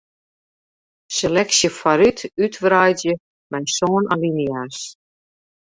Seleksje foarút útwreidzje mei sân alinea's.